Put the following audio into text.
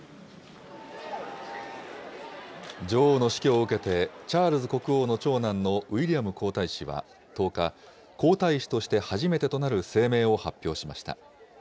女王の死去を受けて、チャールズ国王の長男のウィリアム皇太子は１０日、皇太子として初めてとなる声明を発表しました。